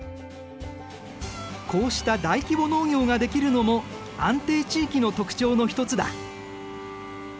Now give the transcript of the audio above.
こうした大規模農業ができるのも安定地域の特徴の一つだ。